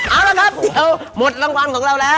เอาละครับเดี๋ยวหมดรางวัลของเราแล้ว